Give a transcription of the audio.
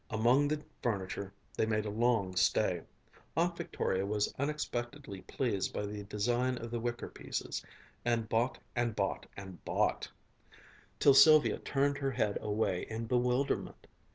Among the furniture they made a long stay. Aunt Victoria was unexpectedly pleased by the design of the wicker pieces, and bought and bought and bought; till Sylvia turned her head away in bewilderment.